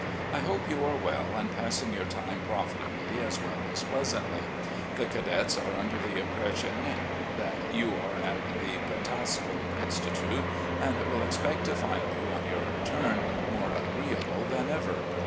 I hope you are well and passing your time profitably as well as pleasantly. The cadets are tmder the impression that you are at the Patapsco Institute, and will expect to find you, on your return, more agreeable than ever.